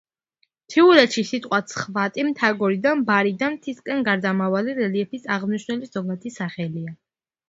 მთიულეთში სიტყვა „ცხავატი“ მთაგორიან, ბარიდან მთისკენ გარდამავალი რელიეფის აღმნიშვნელი ზოგადი სახელია.